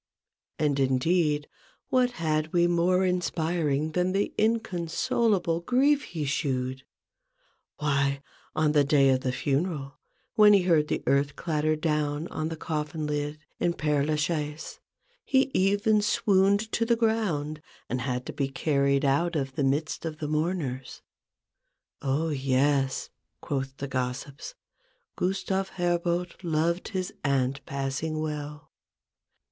And, indeed, what had we more inspiring than the inconsolable grief he shewed ? Why ! on the day of the funeral, when he heard the earth clatter down on the coffin lid in Pcre la Chaise, he even swooned to the ground, and had to be carried out of the midst of the mourners. " Oh, yes," (quoth the gossips), " Gustave Herbout loved his aunt passing well